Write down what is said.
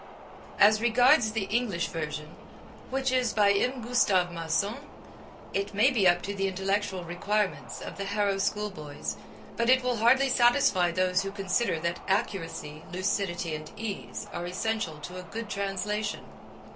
As regards the English version, which is by M. Gustave Masson, it may be up to the intellectual requirements of the Harrow schoolboys, but it will hardly satisfy those who consider that accuracy, lucidity and ease are essential to a good translation.